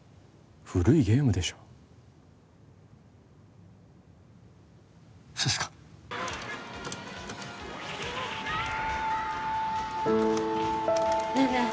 古いゲームでしょそうですかねえねえ